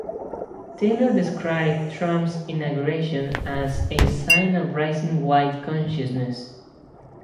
Taylor described Trump's inauguration as "a sign of rising white consciousness".